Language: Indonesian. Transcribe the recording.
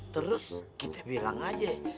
terus kita bilang aja